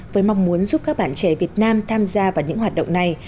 với mong muốn giúp các bạn trẻ việt nam tham gia vào những hoạt động này